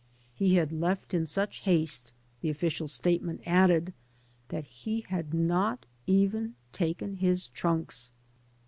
He had left in such haste> the official statement added, that he had not even taken his trunks.